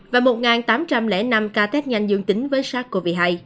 và một tám trăm linh năm ca tết nhanh dương tính với sars cov hai